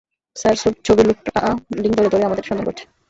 Sir, ছবির লোকটা link ধরে, ধরে আমাদের সন্ধান করছে।